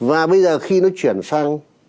và bây giờ khi nó chuyển sang